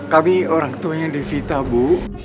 kami orang tuanya devita bu